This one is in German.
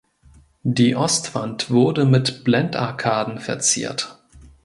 Die Ostwand wurde mit Blendarkaden verziert.